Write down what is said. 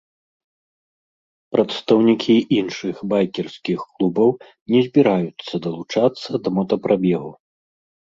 Прадстаўнікі іншых байкерскіх клубаў не збіраюцца далучацца да мотапрабегу.